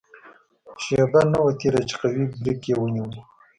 شېبه نه وه تېره چې قوي بریک یې ونیو.